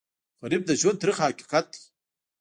غریب د ژوند تریخ حقیقت دی